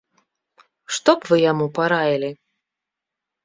Што б вы яму параілі?